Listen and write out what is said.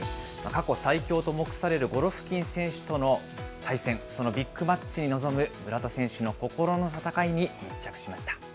過去最強と目されるゴロフキン選手との対戦、そのビッグマッチに臨む村田選手の心の戦いに密着しました。